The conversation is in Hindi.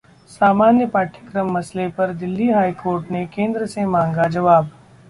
समान पाठ्यक्रम मसले पर दिल्ली हाई कोर्ट ने केंद्र से मांगा जवाब